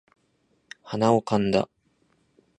鼻をかんだ